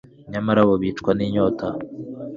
nyamara bo bicwa n'inyota